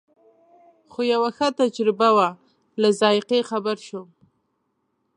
خو یوه ښه تجربه وه له ذایقې یې خبر شوم.